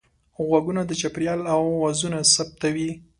غوږونه د چاپېریال اوازونه ثبتوي